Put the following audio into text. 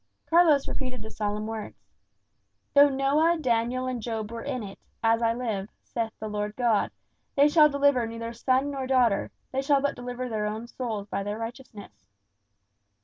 Carlos repeated the solemn words, "'Though Noah, Daniel, and Job were in it, as I live, saith the Lord God, they shall deliver neither son nor daughter; they shall but deliver their own souls by their righteousness.